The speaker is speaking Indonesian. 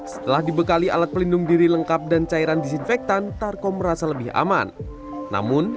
setelah dibekali alat pelindung diri lengkap dan cairan disinfektan tarko merasa lebih aman namun